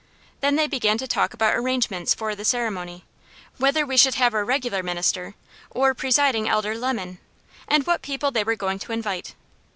Then they began to talk about arrangements for the ceremony, whether we should have our regular minister, or Presiding Elder Lemon, and what people they were going to invite.